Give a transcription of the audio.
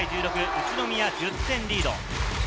宇都宮が１０点リード。